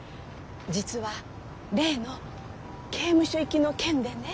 実は例の刑務所行きの件でね。